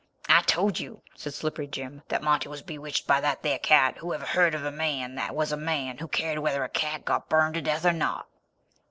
"I told you," said Slippery Jim, "that Monty was bewitched by that there cat. Who ever heard of a man that was a man who cared whether a cat got burned to death or not?"